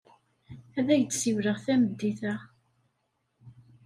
Ad ak-d-siwleɣ tameddit-a.